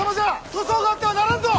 粗相があってはならんぞ！